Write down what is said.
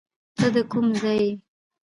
ته ده کوم ځای یې